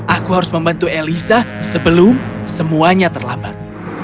aku harus membantu elisa sebelum semuanya terlambat